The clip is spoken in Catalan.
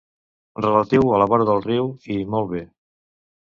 Relatiu a la vora del riu, i molt bé.